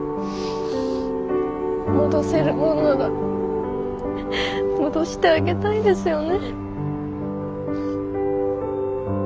戻せるものなら戻してあげたいですよね。